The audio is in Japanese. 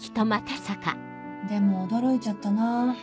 でも驚いちゃったなぁ。